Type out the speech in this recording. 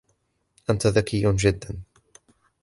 انت ذكي جدا